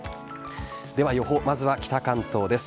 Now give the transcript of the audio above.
では予報、まずは北関東です。